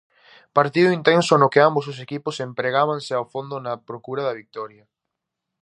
Partido intenso no que ambos os equipos empregábanse a fondo na procura da vitoria.